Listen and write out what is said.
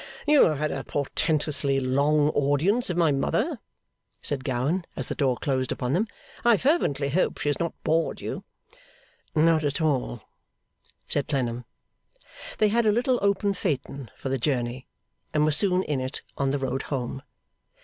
'You have had a portentously long audience of my mother,' said Gowan, as the door closed upon them. 'I fervently hope she has not bored you?' 'Not at all,' said Clennam. They had a little open phaeton for the journey, and were soon in it on the road home.